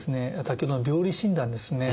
先ほどの病理診断ですね。